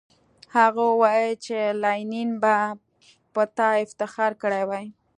هغه وویل چې لینن به په تا افتخار کړی وای